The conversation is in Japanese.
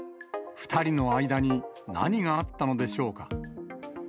２人の間に何があったのでしょうか。